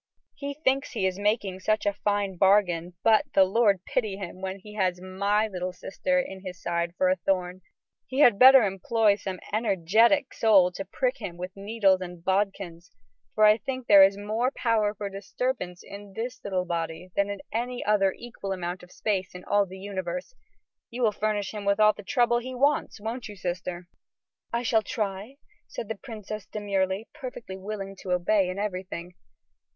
He thinks he is making such a fine bargain, but the Lord pity him, when he has my little sister in his side for a thorn. He had better employ some energetic soul to prick him with needles and bodkins, for I think there is more power for disturbance in this little body than in any other equal amount of space in all the universe. You will furnish him all the trouble he wants, won't you, sister?" "I shall try," said the princess demurely, perfectly willing to obey in everything.